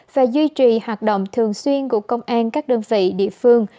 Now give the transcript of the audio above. và duy trì hoạt động thường xuyên của công an các đơn vị địa phương